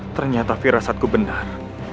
ternyata firasatku benar